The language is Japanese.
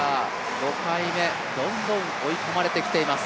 ５回目、どんどん追い込まれてきています。